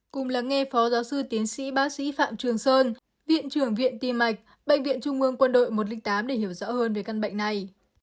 cùng lắng nghe phó giáo sư tiến sĩ bác sĩ phạm trường sơn viện trưởng viện tim mạch bệnh viện trung ương quân đội một trăm linh tám để hiểu rõ hơn về căn bệnh này